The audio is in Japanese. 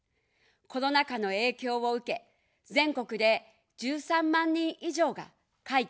コロナ禍の影響を受け、全国で１３万人以上が解雇、雇い止めされました。